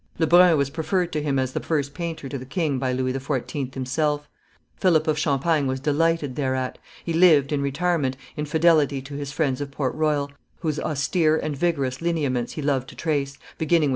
Lebrun was preferred to him as first painter to the king by Louis XIV. himself; Philip of Champagne was delighted thereat; he lived, in retirement, in fidelity to his friends of Port Royal, whose austere and vigorous lineaments he loved to trace, beginning with M.